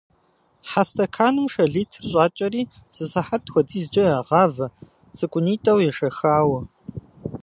Хьэ стэканым шэ литр щӏакӏэри, зы сыхьэт хуэдизкӏэ ягъавэ, цӏыкӏунитӏэу ешэхауэ.